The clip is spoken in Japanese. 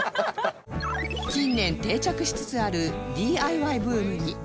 近年定着しつつある ＤＩＹ ブームに